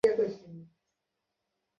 কিন্তু আমি গুরু!